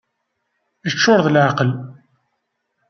Iččur d leεqel!